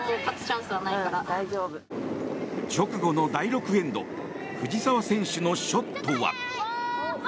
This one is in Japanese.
直後の第６エンド藤澤選手のショットは。